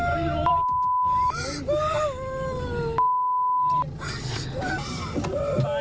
คันไรอ่ะ